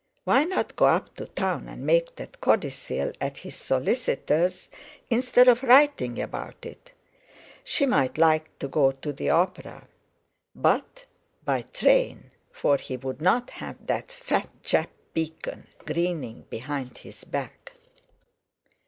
Why not go up to town and make that codicil at his solicitor's instead of writing about it; she might like to go to the opera! But, by train, for he would not have that fat chap Beacon grinning behind his back.